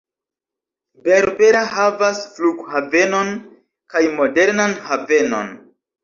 Berbera havas flughavenon kaj modernan havenon.